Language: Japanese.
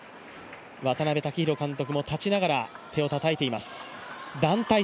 渡辺武弘監督も立ちながら手を叩いています。